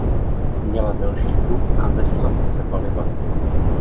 Měla delší trup a nesla více paliva.